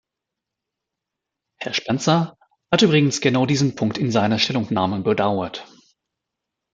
Herr Spencer hat übrigens genau diesen Punkt in seiner Stellungnahme bedauert.